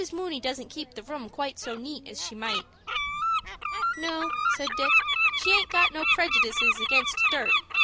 Mooney doesn't keep the room quite so neat as she might." "No," said Dick. "She aint got no prejudices against dirt.